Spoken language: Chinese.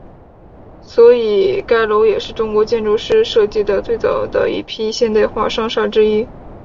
所以该楼也是中国建筑师设计的最早的一批现代化商厦之一。